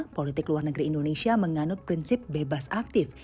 politik luar negeri indonesia menganut prinsip bebas aktif